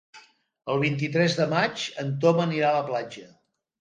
El vint-i-tres de maig en Tom anirà a la platja.